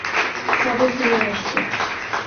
কবে ফিরে আসবে?